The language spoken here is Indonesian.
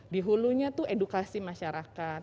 di hulunya itu edukasi masyarakat